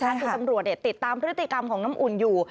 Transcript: คือตำรวจติดตามพฤติกรรมของน้ำอุ่นอยู่